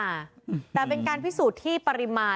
และก็คือว่าถึงแม้วันนี้จะพบรอยเท้าเสียแป้งจริงไหม